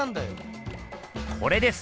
これです！